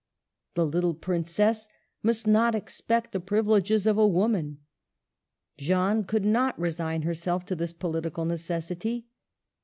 The little princess must not expect the privileges of a woman. Jeanne could not resign herself to this pohtical necessity.